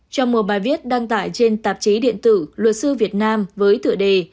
trong một bài viết đăng tải trên tạp chí điện tử luật sư việt nam với tựa đề